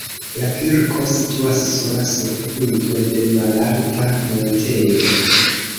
La kirko situas sola sur pinto de malalta monteto.